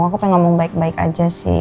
aku pengen ngomong baik baik aja sih